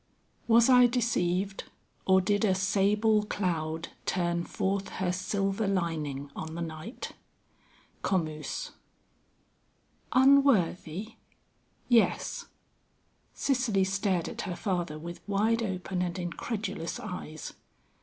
"Was I deceived, or did a sable cloud Turn forth her silver lining on the night?" COMUS. "Unworthy?" "Yes." Cicely stared at her father with wide open and incredulous eyes.